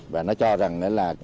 và nó cho rằng là